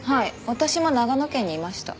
私も長野県にいました。